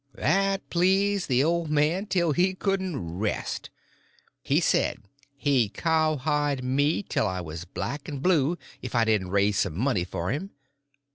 That pleased the old man till he couldn't rest. He said he'd cowhide me till I was black and blue if I didn't raise some money for him.